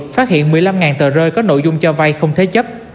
phát hiện một mươi năm tờ rơi có nội dung cho vay không thế chấp